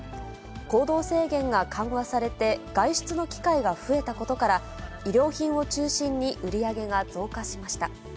行動制限が緩和されて、外出の機会が増えたことから、衣料品を中心に売り上げが増加しました。